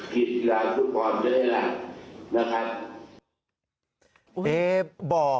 กีฤตทีละฟุตบอลด้วยละนะครับ